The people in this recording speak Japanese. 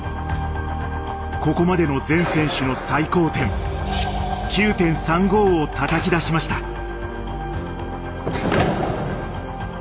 ここまでの全選手の最高点９．３５をたたき出しました。